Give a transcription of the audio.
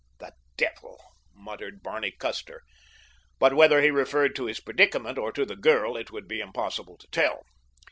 "The devil!" muttered Barney Custer; but whether he referred to his predicament or to the girl it would be impossible to tell.